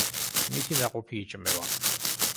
მისი ნაყოფი იჭმევა.